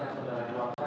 ini tidak bisa